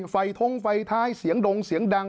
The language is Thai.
ท้งไฟท้ายเสียงดงเสียงดัง